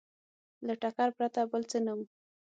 له ټکر پرته بل څه نه وو